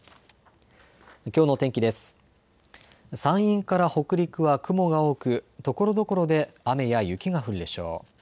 山陰から北陸は雲が多く、ところどころで雨や雪が降るでしょう。